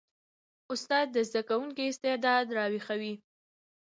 استاد د زده کوونکي استعداد راویښوي.